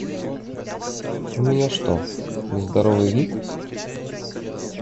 У меня что - нездоровый вид?